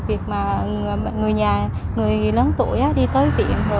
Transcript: việc mà người lớn tuổi đi tới viện